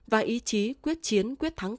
và ý chí quyết chiến quyết thắng